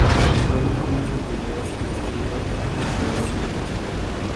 Produjo muchos vídeos y escribió gran cantidad de libros.